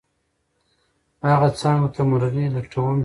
هغه څانګو ته مرغي لټوم ، چېرې؟